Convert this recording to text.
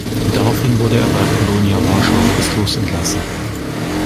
Daraufhin wurde er bei Polonia Warschau fristlos entlassen.